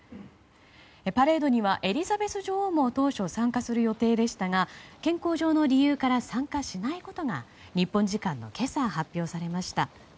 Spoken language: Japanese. パレードにはエリザベス女王も当初参加する予定でしたが健康上の理由から参加しないことが日本時間の今朝発表されました。